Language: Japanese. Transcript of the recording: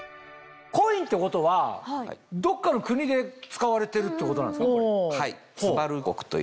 コインってことはどっかの国で使われてるってことなんですか？